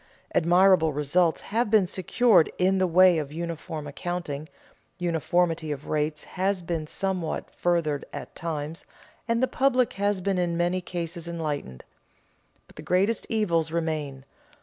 Admirable results have been secured in the way of uniform accounting, uniformity of rates has been somewhat furthered at times, and the public has been in many cases enlightened. But the greatest evils remain.